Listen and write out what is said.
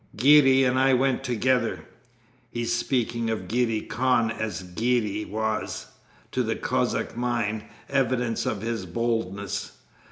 'Girey and I went together.' (His speaking of Girey Khan as 'Girey' was, to the Cossack mind, evidence of his boldness.)